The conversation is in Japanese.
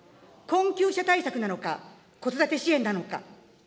困窮者対策なのか、子育て支援なのか。